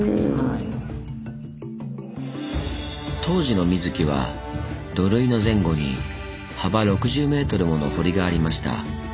当時の水城は土塁の前後に幅６０メートルもの堀がありました。